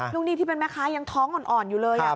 หนี้ที่เป็นแม่ค้ายังท้องอ่อนอยู่เลย